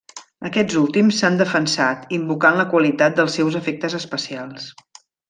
Aquests últims s'han defensat, invocant la qualitat dels seus efectes especials.